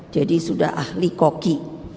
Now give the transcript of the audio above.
jadi sudah ahli koki